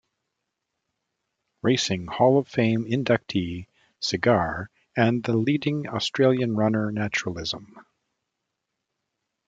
Racing Hall of Fame inductee Cigar and the leading Australian runner Naturalism.